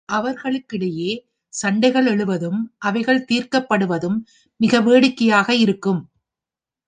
அவர்களுக்கிடையே சண்டைகள் எழுவதும், அவைகள் தீர்க்கப்படுவதும் மிக வேடிக்கையாக இருக்கும்.